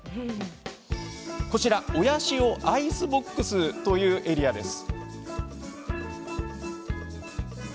こちら、親潮アイスボックスというエリアです。